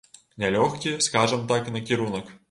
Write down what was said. Нялёгкі, скажам так, накірунак.